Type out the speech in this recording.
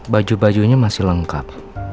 baju bajunya masih lengkap